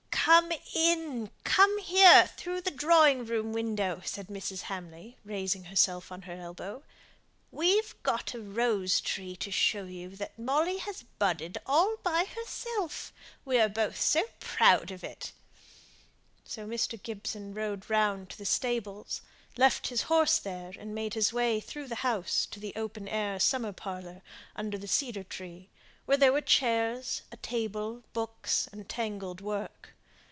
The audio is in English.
"Come in come here through the drawing room window," said Mrs. Hamley, raising herself on her elbow. "We've got a rose tree to show you that Molly has budded all by herself. We are both so proud of it." So Mr. Gibson rode round to the stables, left his horse there, and made his way through the house to the open air summer parlour under the cedar tree, where there were chairs, table, books, and tangled work.